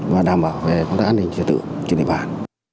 và đảm bảo về an ninh trật tự trên địa bàn